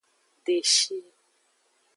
Deshi.